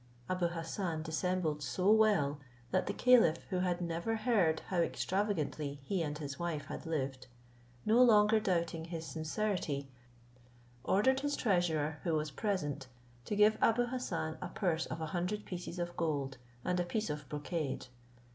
Abou Hassan dissembled so well, that the caliph, who had never heard how extravagantly he and his wife had lived, no longer doubting his sincerity, ordered his treasurer, who was present, to give Abou Hassan a purse of a hundred pieces of gold and a piece of brocade.